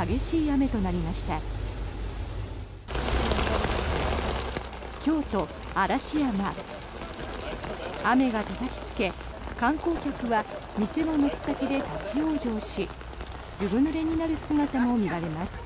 雨がたたきつけ観光客は店の軒先で立ち往生しずぶぬれになる姿も見られます。